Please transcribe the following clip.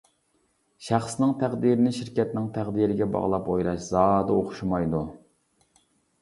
شەخسنىڭ تەقدىرىنى شىركەتنىڭ تەقدىرىگە باغلاپ ئويلاش زادى ئوخشىمايدۇ.